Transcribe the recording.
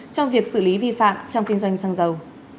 trong việc xử lý vi phạm trong kinh doanh xăng dầu